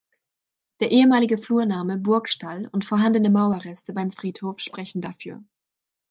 Der ehemalige Flurname "Burgstall" und vorhandene Mauerreste beim Friedhof sprechen dafür.